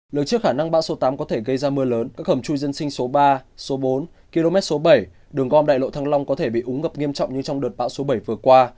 lời trước khả năng bão số tám có thể gây ra mưa lớn các hầm chui dân sinh số ba số bốn km số bảy đường gom đại lộ thăng long có thể bị úng ngập nghiêm trọng như trong đợt bão số bảy vừa qua